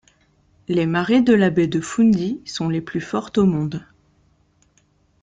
Les marées de la baie de Fundy sont les plus fortes au monde.